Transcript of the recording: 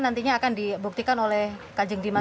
nantinya akan dibuktikan oleh kajeng dimas